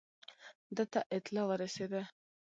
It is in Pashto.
ده ته اطلاع ورسېده.